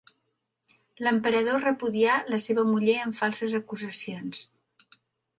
L'emperador repudià la seva muller amb falses acusacions.